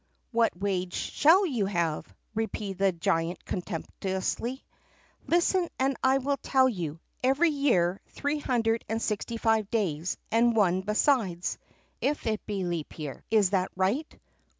"What wage shall you have?" repeated the giant contemptuously; "listen and I will tell you: every year, three hundred and sixty five days, and one besides, if it be leap year. Is that right?"